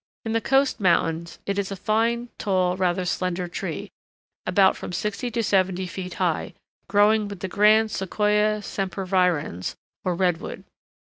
In the coast mountains it is a fine, tall, rather slender tree, about from sixty to seventy five feet high, growing with the grand Sequoia sempervirens, or Redwood.